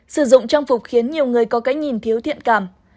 sử dụng trang phục khiến nhiều người có cái nhìn thiếu thiện cảm